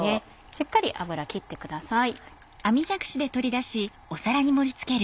しっかり油切ってください。